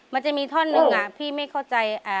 มันจะมีท่อนหนึ่งพี่ไม่เข้าใจ